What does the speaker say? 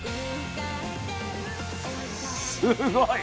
すごい！